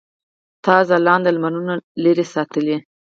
تا ځلاند لمرونه لرې ساتلي.